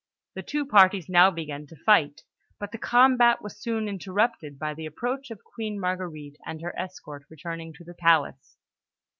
The two parties now began to fight; but the combat was soon interrupted by the approach of Queen Marguerite and her escort returning to the Palace.